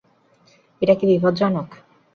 এটা কি বিপজ্জনক?